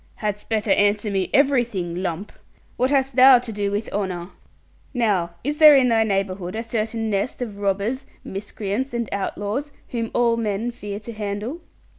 'Hadst better answer me everything, lump. What hast thou to do with honour? Now is there in thy neighbourhood a certain nest of robbers, miscreants, and outlaws, whom all men fear to handle?'